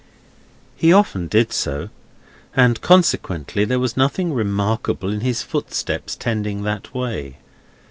He often did so, and consequently there was nothing remarkable in his footsteps tending that way.